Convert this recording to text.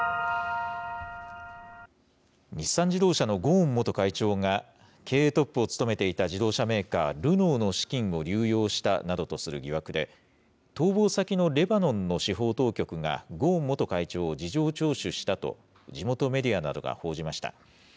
日産自動車のゴーン元会長が、経営トップを務めていた自動車メーカー、ルノーの資金を流用したなどとする疑惑で、逃亡先のレバノンの司法当局が、ゴーン元会長を事情聴取したと地元メディアなどが報じました。